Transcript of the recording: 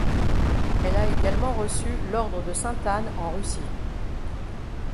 Elle a également reçu l'ordre de Sainte-Anne en Russie.